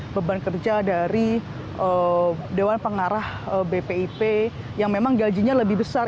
beban kerja dari dewan pengarah bpip yang memang gajinya lebih besar